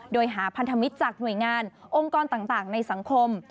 โดยหาพันธมิตรจากหน่วยงานองค์กรต่างในสังคม